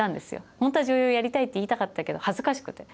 本当は女優をやりたいって言いたかったけど、恥ずかしくて。